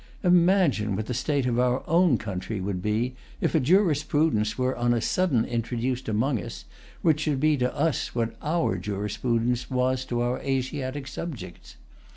Imagine what the state of our own country would be, if a jurisprudence were on a sudden introduced among us, which should be to us what our jurisprudence was to our Asiatic subjects.